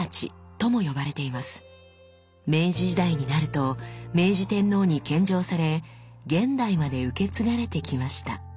明治時代になると明治天皇に献上され現代まで受け継がれてきました。